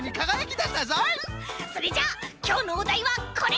それじゃきょうのおだいはこれ！